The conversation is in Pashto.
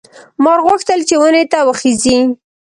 مار غوښتل چې ونې ته وخېژي.